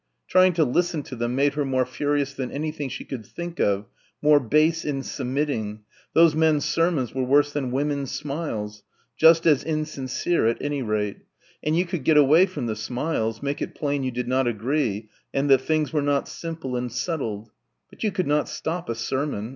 Trying to listen to them made her more furious than anything she could think of, more base in submitting ... those men's sermons were worse than women's smiles ... just as insincere at any rate ... and you could get away from the smiles, make it plain you did not agree and that things were not simple and settled ... but you could not stop a sermon.